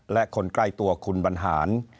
และคนใกล้ตัวคุณบรรหาร